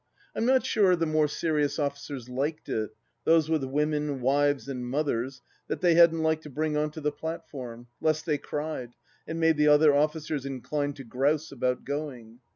I'm not sure the more serious officers liked it — ^those with women, wives and mothers, that they hadn't liked to bring on to the platform lest they cried and made the other officers inclined to grouse about going.